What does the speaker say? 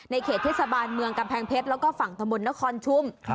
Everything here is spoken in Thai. เขตเทศบาลเมืองกำแพงเพชรแล้วก็ฝั่งตะมนต์นครชุม